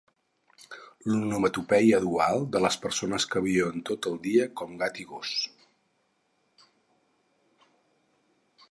L'onomatopeia dual de les persones que viuen tot el dia com gat i gos.